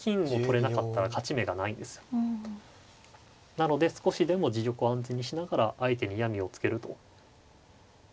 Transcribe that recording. なので少しでも自玉を安全にしながら相手に嫌みをつけると。